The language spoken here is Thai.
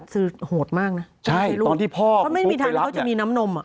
คือโหดมากนะใช่ลูกตอนที่พ่อเขาไม่มีทางที่เขาจะมีน้ำนมอ่ะ